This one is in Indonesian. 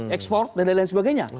ekspor dan lain sebagainya